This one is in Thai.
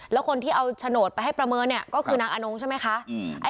แล้วคนที่เอาโฉนดไปให้ประเมินเนี่ยก็คือนางอนงใช่ไหมคะ